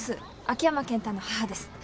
秋山健太の母です。